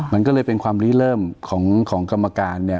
มันก็เลยเป็นความลี้เริ่มของกรรมการเนี่ย